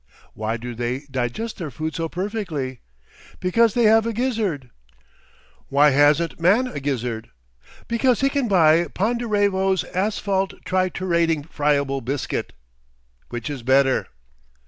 Why do they digest their food so perfectly? Because they have a gizzard! Why hasn't man a gizzard? Because he can buy Ponderevo's Asphalt Triturating, Friable Biscuit—Which is Better.